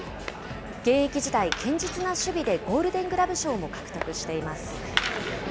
現役時代、堅実な守備でゴールデン・グラブ賞も獲得しています。